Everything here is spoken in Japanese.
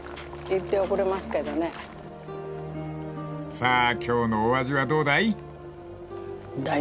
［さあ今日のお味はどうだい？］